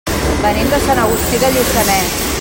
Venim de Sant Agustí de Lluçanès.